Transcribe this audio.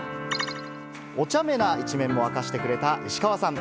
おちゃめな一面も明かしてくれた石川さん。